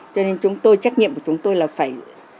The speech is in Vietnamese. cho nên chúng tôi trách nhiệm của chúng tôi là phải